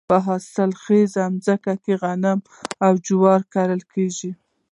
په حاصل خیزو ځمکو کې غنم او جوار کرل کیږي.